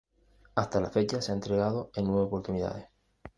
Hasta la fecha se ha entregado en nueve oportunidades.